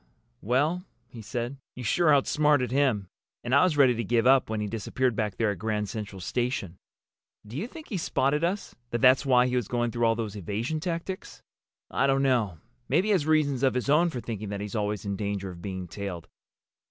"Well," he said, "you sure outsmarted him! And I was ready to give up when he disappeared back there at Grand Central Station. Do you think he spotted us—that that's why he was going through all those evasion tactics?" "I don't know. Maybe he has reasons of his own for thinking that he's always in danger of being tailed.